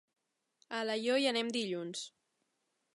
A Alaior hi anem dilluns.